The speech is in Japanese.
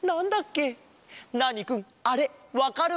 ナーニくんあれわかる？